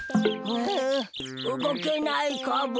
あうごけないカボ。